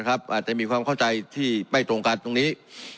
อาจจะมีความเข้าใจที่ไม่ตรงกันตรงนี้